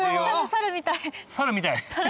猿見たい？